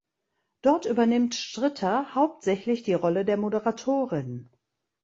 Dort übernimmt Stritter hauptsächlich die Rolle der Moderatorin.